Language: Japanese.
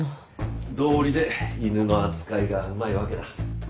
どうりで犬の扱いがうまいわけだ。